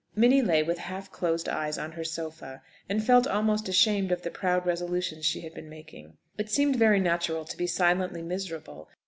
Minnie lay with half closed eyes on her sofa, and felt almost ashamed of the proud resolutions she had been making. It seemed very natural to be silently miserable.